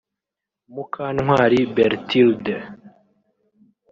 Mukantwari Berthilde